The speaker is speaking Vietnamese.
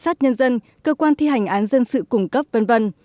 tòa án nhân dân cơ quan thi hành án dân sự cung cấp v v